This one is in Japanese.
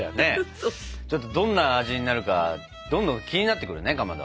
ちょっとどんな味になるかどんどん気になってくるねかまど。